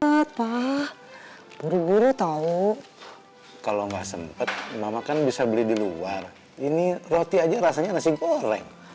apa buru buru tahu kalau nggak sempat mama kan bisa beli di luar ini roti aja rasanya nasi goreng